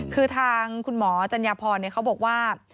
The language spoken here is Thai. คือทางคุณหมอจัญญาพรเขาบอกว่า